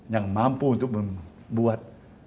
yang mampu untuk membuat